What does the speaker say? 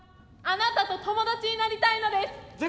あなたと友達になりたいのです。